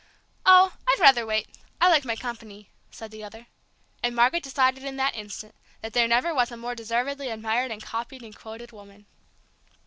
"Oh, I'd rather wait. I like my company," said the other. And Margaret decided in that instant that there never was a more deservedly admired and copied and quoted woman.